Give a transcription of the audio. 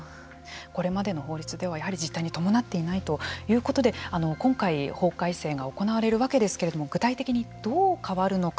これまでの法律ではやはり実体に伴っていないということで今回、法改正が行われるわけですけれども具体的にどう変わるのか。